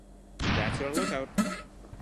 That’s your lookout!